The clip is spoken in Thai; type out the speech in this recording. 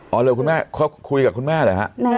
เอาเลยคุณแม่เขาคุยกับคุณแม่เหรอฮะ